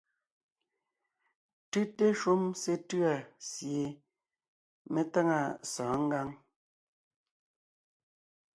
Tʉ́te shúm sétʉ̂a sie me táŋa sɔ̌ɔn ngǎŋ.